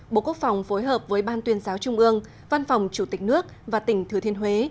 bộ quốc phòng phối hợp với ban tuyên giáo trung ương văn phòng chủ tịch nước và tỉnh thừa thiên huế